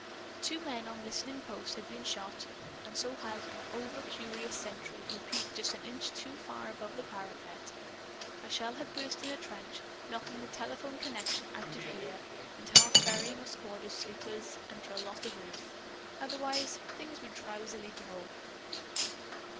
Two men on listening post had been shot; and so had an overcurious sentry who peeped just an inch too far above a parapet. A shell had burst in a trench, knocking the telephone connection out of gear and half burying a squad of sleepers under a lot of earth. Otherwise, things were drowsily dull.